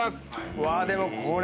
うわっでもこれ。